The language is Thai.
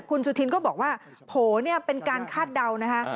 คุณสุถินก็บอกว่าโผเป็นการคาดเดานะคะ